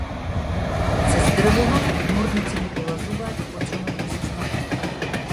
Се здрвувам, морници ми полазуваат и почнувам да се знојам.